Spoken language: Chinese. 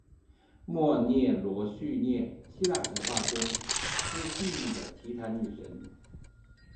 谟涅摩叙涅希腊神话中司记忆的提坦女神。